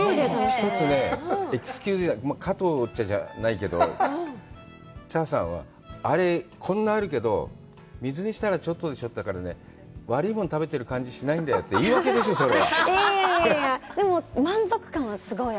一つね、加藤茶じゃないけど、茶さんは、あれ、こんなあるけど、水にしたらちょっとって、悪いもん食べてる感じしないんだよって、それは言いわけでしょう？